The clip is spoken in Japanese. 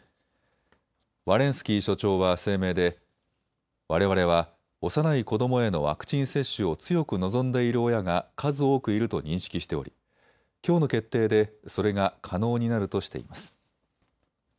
ワレンスキー所長は声明でわれわれは幼い子どもへのワクチン接種を強く望んでいる親が数多くいると認識しておりきょうの決定でそれが可能になるとしています。